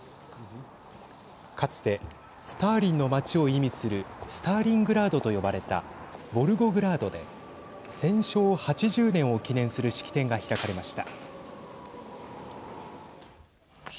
かつてスターリンの町を意味するスターリングラードと呼ばれたボルゴグラードで戦勝８０年を記念する式典が開かれました。